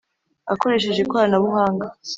Akoresha ikoranabuhanga .